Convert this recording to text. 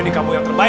hei kak keren tuh kak